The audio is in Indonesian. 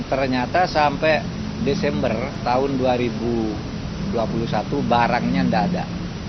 ternyata sampai desember tahun dua ribu dua puluh satu barangnya tidak ada